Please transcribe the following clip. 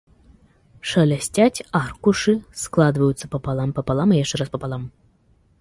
Шалясцяць аркушы, складваюцца папалам, папалам і яшчэ раз папалам.